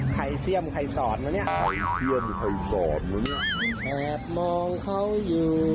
ใครเสี่ยมใครสอนวะเนี่ย